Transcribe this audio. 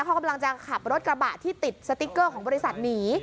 เขากำลังจะขับรถกระบะที่ติดสติ๊กเกอร์ของบริษัทหนี